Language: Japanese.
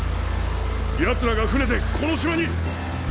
奴らが船でこの島に！